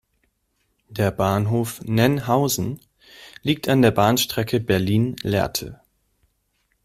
Der Bahnhof "Nennhausen" liegt an der Bahnstrecke Berlin–Lehrte.